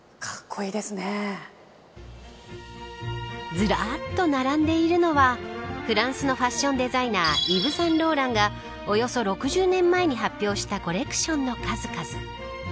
ずらっと並んでいるのはフランスのファッションデザイナーイヴ・サンローランがおよそ６０年前に発表したコレクションの数々。